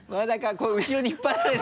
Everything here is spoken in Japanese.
今度は後ろに引っ張られてる。